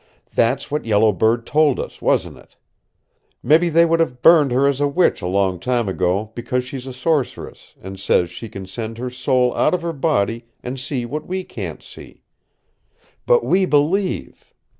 "That's what Yellow Bird told us, wasn't it? Mebby they would have burned her as a witch a long time ago because she's a sorceress, and says she can send her soul out of her body and see what we can't see. BUT WE BELIEVE!"